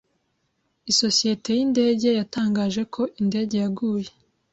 Isosiyete y’indege yatangaje ko indege yaguye.